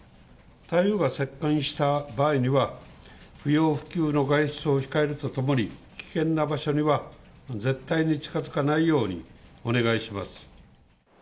台風が接近した場合には、不要不急の外出を控えるとともに、危険な場所には絶対に近づかないようにお願いします。